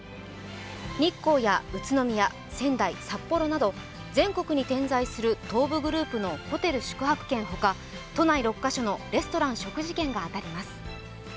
日光や宇都宮、仙台、札幌など全国に点在する東武グループのホテル宿泊券ほか都内６カ所のレストラン食事券が当たります。